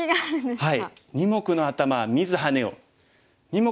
はい。